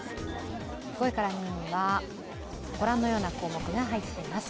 ５位から２位にはご覧のような項目が入っています。